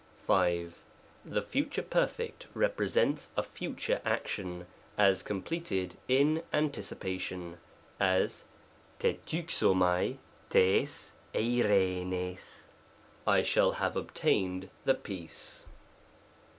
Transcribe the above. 5. The Future Perf. represents a future action, as completed in anticipation ; as, Ttrv^o^av rijg tiqrivriqy " I shall have obtained the peace."